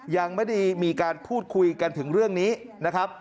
ยังไม่ได้มีการพูดคุยกันถึงเรื่องนี้นะครับ